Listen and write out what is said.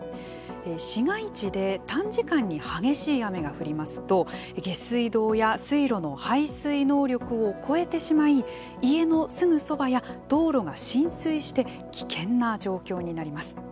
市街地で短時間に激しい雨が降りますと下水道や水路の排水能力を超えてしまい家のすぐそばや道路が浸水して危険な状況になります。